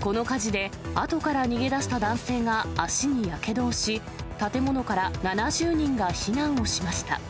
この火事で、あとから逃げ出した男性が脚にやけどをし、建物から７０人が避難をしました。